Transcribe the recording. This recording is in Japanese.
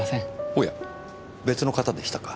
おや別の方でしたか。